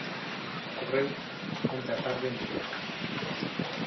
Ocorreu onte á tarde en Mallorca.